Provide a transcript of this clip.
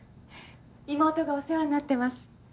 妹がお世話になってます。